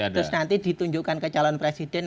terus nanti ditunjukkan ke calon presiden